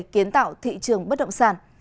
kiến tạo thị trường bất động sản